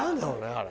あれ。